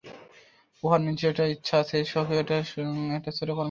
উহার নিজস্ব একটি ইচ্ছা আছে, স্বকীয় একটি ছোট কর্মক্ষেত্র আছে।